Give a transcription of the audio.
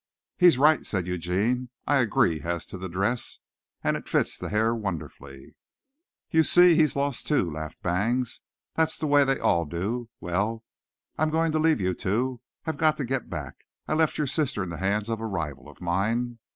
"He's right," said Eugene. "I agree as to the dress, and it fits the hair wonderfully." "You see, he's lost, too," laughed Bangs. "That's the way they all do. Well, I'm going to leave you two. I've got to get back. I left your sister in the hands of a rival of mine."